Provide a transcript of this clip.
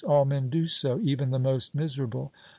All men do so, even the most miserable.